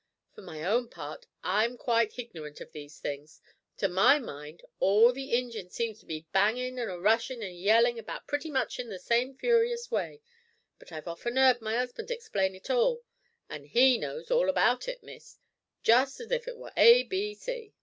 For my own part I'm quite hignorant of these things. To my mind all the ingines seem to go bangin' an' rushin' an' yellin' about pretty much in the same furious way; but I've often 'eard my 'usband explain it all, an' he knows all about it Miss, just as if it wor A, B, C."